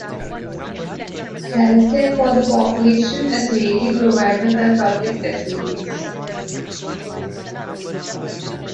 Health care for the population is mainly provided by public facilities.